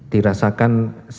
dirasakan siapa yang lebih